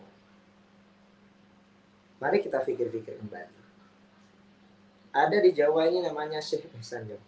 hai mari kita pikir pikir kembali ada di jawa ini namanya syekh hasan jokowi